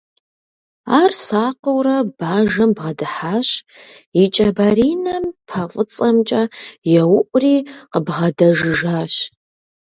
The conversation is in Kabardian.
Ар сакъыурэ бажэм бгъэдыхьащ, и кӀэ баринэм пэ фӀыцӀэмкӀэ еуӀури къыбгъэдэжыжащ.